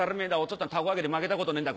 っつぁん凧揚げで負けたことねえんだ。